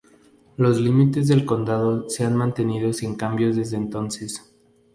Los límites del condado se han mantenido sin cambios desde entonces.